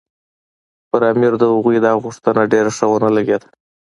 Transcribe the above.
پر امیر د هغوی دا غوښتنه ښه ونه لګېده.